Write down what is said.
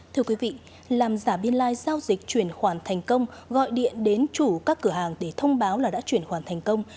thưa quý vị làm giả biên lai giao dịch chuyển khoản thành công gọi điện đến chủ các cửa hàng để thông báo là đã chuyển khoản thành công